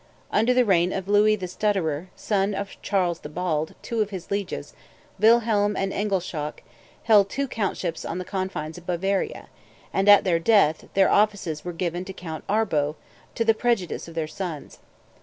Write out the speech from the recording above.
Under the reign of Louis the Stutterer, son of Charles the Bald, two of his lieges, Wilhelm and Engelschalk, held two countships on the confines of Bavaria; and, at their death, their offices were given to Count Arbo, to the prejudice of their sons.